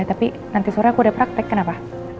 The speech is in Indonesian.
tapi nanti sore aku udah praktek kenapa